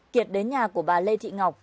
kiệt đến nhà của bà lê thị ngọc